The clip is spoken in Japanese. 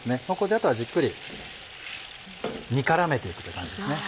あとはじっくり煮絡めていくという感じです。